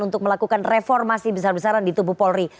untuk melakukan reformasi besar besaran di tubuh polri